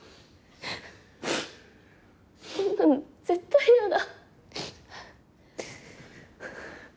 そんなの絶対ヤダ。